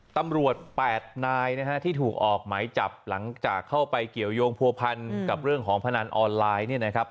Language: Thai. ตำรวจ๘นายนะฮะที่ถูกออกหมายจับหลังจากเข้าไปเกี่ยวยงผัวพันกับเรื่องของพนันออนไลน์เนี่ยนะครับ